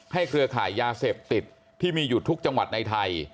เครือข่ายยาเสพติดที่มีอยู่ทุกจังหวัดในไทย